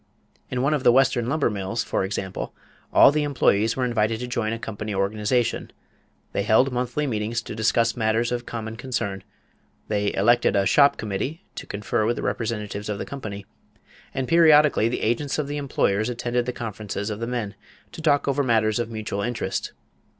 In one of the Western lumber mills, for example, all the employees were invited to join a company organization; they held monthly meetings to discuss matters of common concern; they elected a "shop committee" to confer with the representatives of the company; and periodically the agents of the employers attended the conferences of the men to talk over matters of mutual interest.